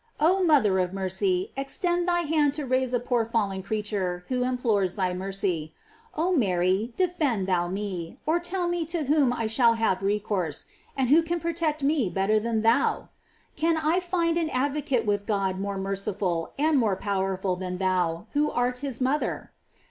Oh mother of mercy, ex tend thy hand to raise a poor fallen creature who implores thy mercy. Oh Mary, defend thou me, or tell me to whom I shall have recourse, and who can protect me better than thou. Can I find an advocate with God more merciful and more powerful than thou, who art his mother?